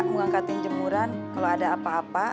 bu lena saya tinggal ke belakang dulu ya